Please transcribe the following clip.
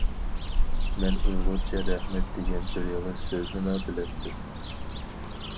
مەن ئۇيغۇرچە« رەھمەت» دېگەن بىر ئېغىز سۆزنىلا بىلەتتىم.